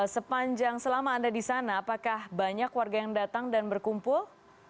sepanjang selama anda di sana apakah banyak warga yang datang dan berkumpul